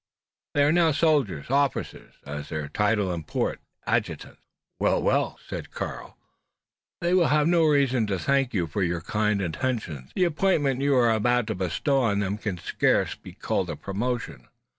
"They are now soldiers officers, as their title imports adjutants!" "Well?" "They will have no reason to thank you for your kind intentions. The appointment you are about to bestow on them can scarce be called a promotion.